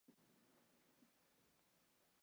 Su cabeza, garganta y pecho eran de color beige.